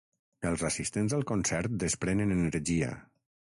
Els assistents al concert desprenen energia.